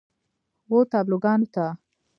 و تابلوګانو ته